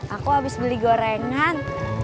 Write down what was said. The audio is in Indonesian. aku abis beli gorengan